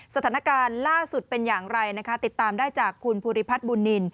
สถานการณ์ล่าสุดเป็นอย่างไรนะคะติดตามได้จากคุณภูริพัฒน์บุญนิน